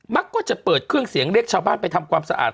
มักจะเปิดเครื่องเสียงเรียกชาวบ้านไปทำความสะอาด